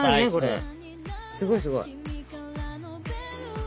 すごいすごい。